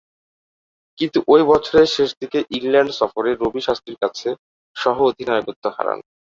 কিন্তু ঐ বছরের শেষদিকে ইংল্যান্ড সফরে রবি শাস্ত্রীর কাছে সহ-অধিনায়কত্ব হারান।